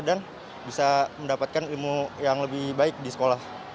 dan bisa mendapatkan ilmu yang lebih baik di sekolah